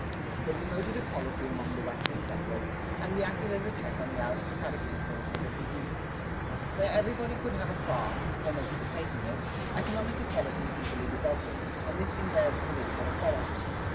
They promoted equality among the Western settlers, and reacted as a check on the aristocratic influences of the East. Where everybody could have a farm, almost for taking it, economic equality easily resulted, and this involved political equality.